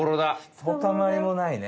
ひとたまりもないね。